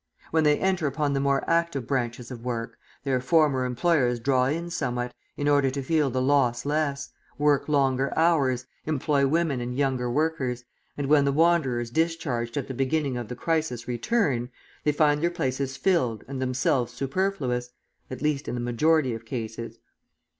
When they enter upon the more active branches of work, their former employers draw in somewhat, in order to feel the loss less, work longer hours, employ women and younger workers, and when the wanderers discharged at the beginning of the crisis return, they find their places filled and themselves superfluous at least in the majority of cases.